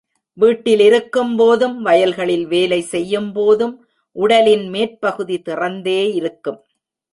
வீட்டிலிருக்கும்போதும், வயல்களில் வேலை செய்யும் போதும் உடலின் மேற்பகுதி திறந்தே இருக்கும்.